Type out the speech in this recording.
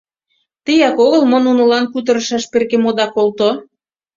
Теак огыл мо нунылан кутырышаш перкем ода колто?!